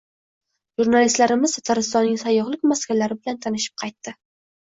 Jurnalistlarimiz Tataristonning sayyohlik maskanlari bilan tanishib qaytdi